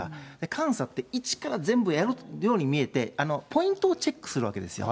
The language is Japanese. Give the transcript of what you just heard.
監査って一から全部やるように見えて、ポイントをチェックするわけですよ。